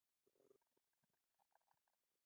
آیا د اورګاډي پټلۍ اقتصاد بدل نه کړ؟